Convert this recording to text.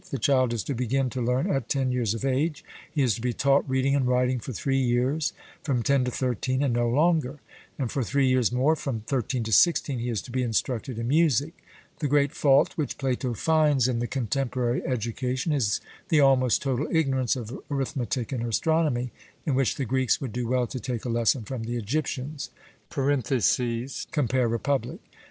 The child is to begin to learn at ten years of age: he is to be taught reading and writing for three years, from ten to thirteen, and no longer; and for three years more, from thirteen to sixteen, he is to be instructed in music. The great fault which Plato finds in the contemporary education is the almost total ignorance of arithmetic and astronomy, in which the Greeks would do well to take a lesson from the Egyptians (compare Republic).